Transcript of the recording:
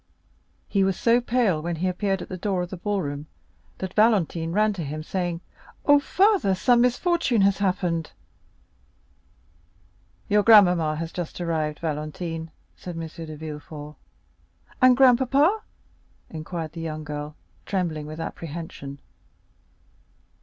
He was so pale when he appeared at the door of the ball room, that Valentine ran to him, saying: "Oh, father, some misfortune has happened!" "Your grandmamma has just arrived, Valentine," said M. de Villefort. "And grandpapa?" inquired the young girl, trembling with apprehension.